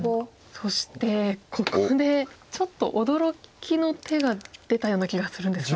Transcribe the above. そしてここでちょっと驚きの手が出たような気がするんですが。